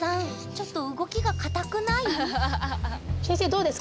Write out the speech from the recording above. ちょっと動きが硬くない？